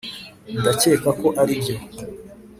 ndakeka ko aribyo.